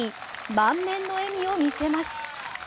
満面の笑みを見せます。